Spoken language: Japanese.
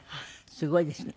すごいですね。